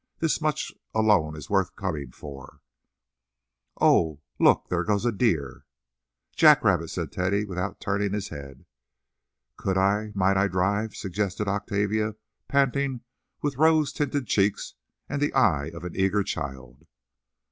This much alone is worth coming for. Oh, look I there goes a deer!" "Jack rabbit," said Teddy, without turning his head. "Could I—might I drive?" suggested Octavia, panting, with rose tinted cheeks and the eye of an eager child.